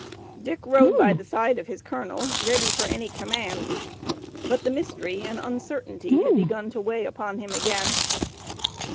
Dick rode by the side of his colonel ready for any command, but the mystery, and uncertainty had begun to weigh upon him again.